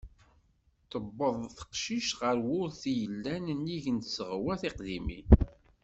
Tiweḍ teqcict ɣer wurti i yellan nnig n tzeɣwa tiqdimin.